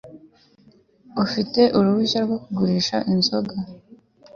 ufite uruhushya rwo kugurisha inzoga